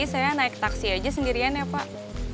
saya naik taksi aja sendirian ya pak